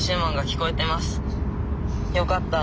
よかった。